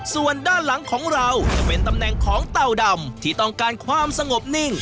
ส่วนด้านหลังของเราจะเป็นตำแหน่งของเต่าดำที่ต้องการความสงบนิ่ง